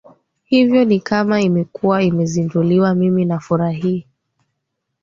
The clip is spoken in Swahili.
hivyo ni kama imekuwa imezinduliwa mimi nafurahi